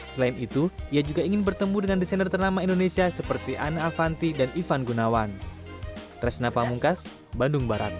selain itu ia juga ingin bertemu dengan desainer ternama indonesia seperti ana avanti dan ivan gunawan